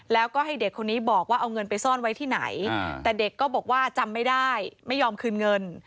แล้วก็ให้เด็กคนนี้บอกว่าเอาเงินไปซ่อนไว้ที่ไหนแต่เด็กก็บอกว่าจำไม่ได้ไม่ยอมคืนเงิน